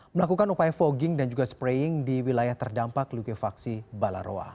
melakukan upaya fogging dan juga spraying di wilayah terdampak likuifaksi balaroa